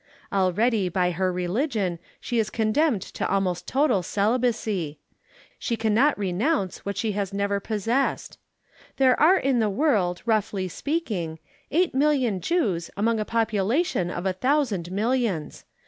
Already by her religion she is condemned to almost total celibacy. She cannot renounce what she never possessed. There are in the world, roughly speaking, eight million Jews among a population of a thousand millions.